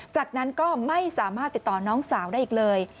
จากนั้นก็ไม่สามารถติดต่อน้องสาวได้อีกเลย